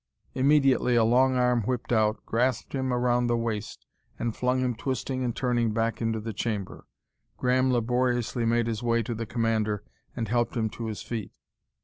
Immediately a long arm whipped out, grasped him around the waist and flung him twisting and turning back into the chamber. Graham laboriously made his way to the commander and helped him to his feet.